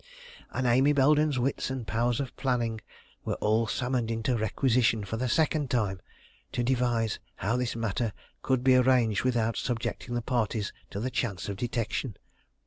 And Amy Belden's wits and powers of planning were all summoned into requisition for the second time, to devise how this matter could be arranged without subjecting the parties to the chance of detection.